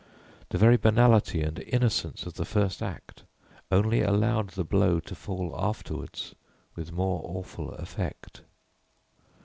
The very banality and innocence of the first act only allowed the blow to fall afterward with more awful effect.